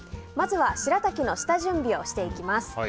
まずは、しらたきの下準備をしていきます。